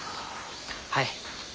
はい。